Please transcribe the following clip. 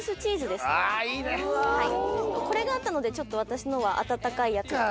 あぁいいね！これがあったのでちょっと私のは温かいやつで。